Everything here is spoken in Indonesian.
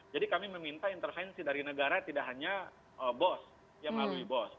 jadi kami meminta intervensi dari negara tidak hanya bos yang melalui bos